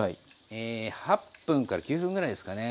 え８分から９分ぐらいですかね。